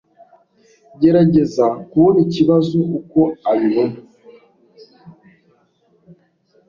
Gerageza kubona ikibazo uko abibona.